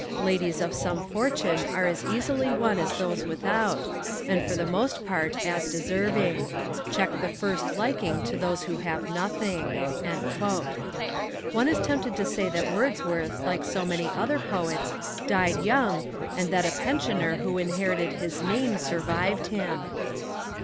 Ladies of some fortune are as easily won as those without, and for the most part as deserving. Check the first liking to those who have nothing. One is tempted to say that Wordsworth, like so many other poets, died young, and that a pensioner who inherited his name survived him.